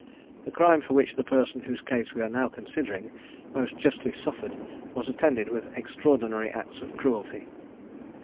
The crime for which the person whose case we are now considering, most justly suffered, was attended with extraordinary acts of cruelty.